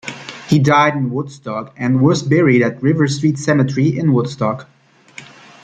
He died in Woodstock and was buried at River Street Cemetery in Woodstock.